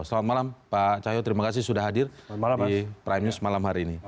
selamat malam pak cahyo terima kasih sudah hadir di prime news malam hari ini